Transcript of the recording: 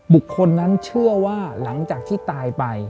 บุคคลนั้นเชื่อว่าหลังจากที่ตายไป